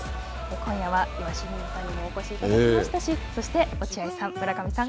今夜は岩清水さんにもお越しいただきましたし、そして落合さん、村上さん